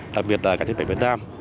đặc biệt là cả chế tỉnh việt nam